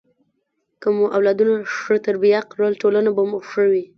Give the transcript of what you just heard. که مو اولادونه ښه تربیه کړل، ټولنه به مو ښه وي.